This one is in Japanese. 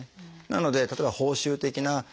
なので例えば報酬的な。